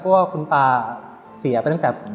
เพราะว่าคุณตาเสียไปตั้งแต่